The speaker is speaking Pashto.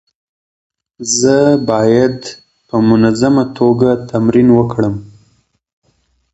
زه باید په منظمه توګه تمرین وکړم.